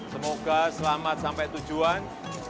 semoga selamat sampai tujuan